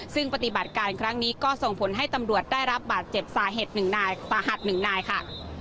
ซึ่งปฏิบัติการครั้งนี้ก็ส่งผลให้ตำรวจได้รับบาดเจ็บสาเหตุ๑นายสาหัส๑นายค่ะ